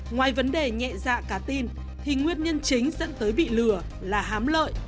ngoài vấn đề nhẹ dạ cả tin thì nguyên nhân chính dẫn tới bị lừa là hám lợi